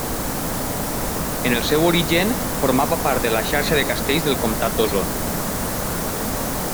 En el seu origen formava part de la xarxa de castells del comtat d'Osona.